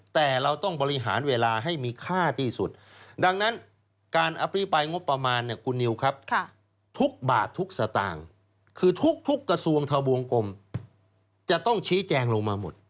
แต่ต่างคือทุกกระทรวงทะบวงกลมจะต้องชี้แจงลงมาหมด